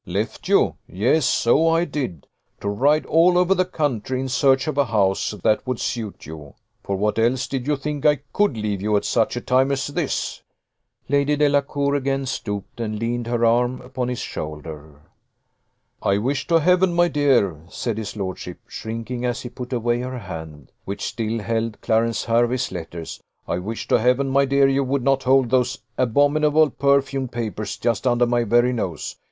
"Left you! Yes, so I did; to ride all over the country in search of a house that would suit you. For what else did you think I could leave you at such a time as this?" Lady Delacour again stooped, and leaned her arm upon his shoulder. "I wish to Heaven, my dear," said his lordship, shrinking as he put away her hand, which still held Clarence Hervey's letters, "I wish to Heaven, my dear, you would not hold those abominable perfumed papers just under my very nose.